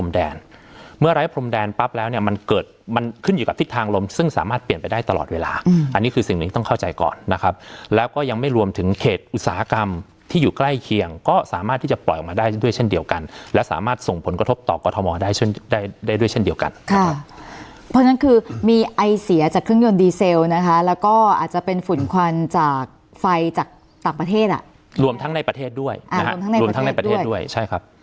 เมื่อไร้พรมแดนปั๊บแล้วเนี่ยมันเกิดมันขึ้นอยู่กับทิศทางลมซึ่งสามารถเปลี่ยนไปได้ตลอดเวลาอันนี้คือสิ่งนี้ต้องเข้าใจก่อนนะครับแล้วก็ยังไม่รวมถึงเขตอุตสาหกรรมที่อยู่ใกล้เคียงก็สามารถที่จะปล่อยออกมาได้ด้วยเช่นเดียวกันและสามารถส่งผลกระทบต่อกระทอมอได้ได้ด้วยเช่นเดียวกันค่ะเพราะฉ